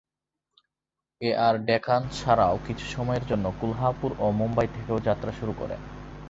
Air Deccan এছাড়াও কিছু সময়ের জন্য কোলহাপুর ও মুম্বাই থেকেও যাত্রা শুরু করে।